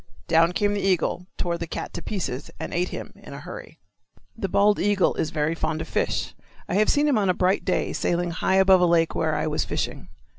Down came the eagle, tore the cat to pieces, and ate him in a hurry. The bald eagle is very fond of fish. I have seen him on a bright day sailing high above a lake where I was fishing.